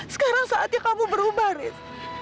sekarang saatnya kamu berubah riz